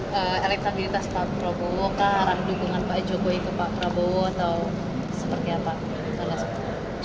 pak jokowi ke pak prabowo atau seperti apa